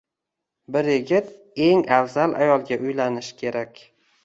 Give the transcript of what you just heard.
Bir yigit eng afzal ayolga uylanish kerak.